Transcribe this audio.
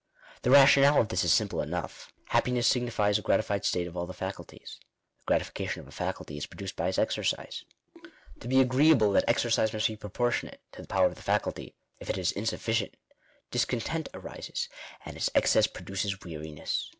The rationale of this is simple enough. Happiness signi , fies a gratified state of all the faculties. The gratification of a I faculty is produced by its exercise. To be agreeable that I exercise must be proportionate to the power of the faculty ; if it is insufficient discontent arises, and its excess produces weariness. .